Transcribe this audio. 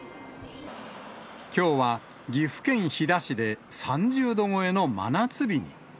きょうは、岐阜県飛騨市で３０度超えの真夏日に。